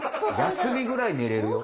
休みぐらい寝れるよ。